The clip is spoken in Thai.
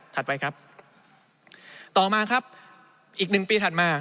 ไปครับต่อมาครับอีกหนึ่งปีถัดมา